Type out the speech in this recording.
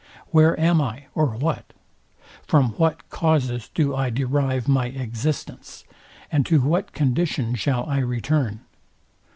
Where am I, or what? From what causes do I derive my existence, and to what condition shall I return?